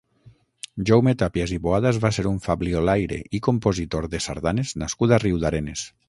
Jaume Tàpias i Boadas va ser un fabliolaire i compositor de sardanes nascut a Riudarenes.